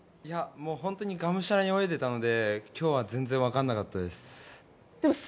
本当にがむしゃらに泳いでいたので今日は全然分かんなかったです。